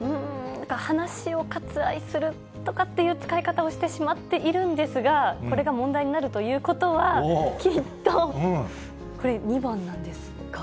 話を割愛するとかっていう使い方をしてしまっているんですが、これが問題になるということは、きっと、これ、２番なんですか。